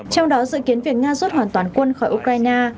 trong đó dự kiến việc nga rút hoàn toàn quân khỏi ukraine